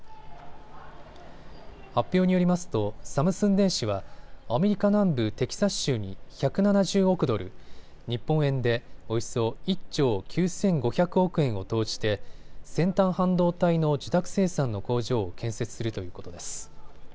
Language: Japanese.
発表によりますとサムスン電子はアメリカ南部テキサス州に１７０億ドル、日本円でおよそ１兆９５００億円を投じて先端半導体の受託生産の工場を建設するということです。